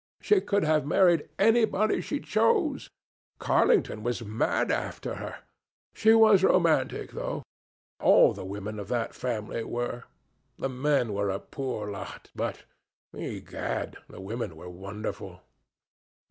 She could have married anybody she chose. Carlington was mad after her. She was romantic, though. All the women of that family were. The men were a poor lot, but, egad! the women were wonderful.